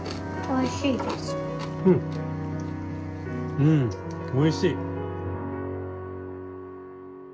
うんおいしい。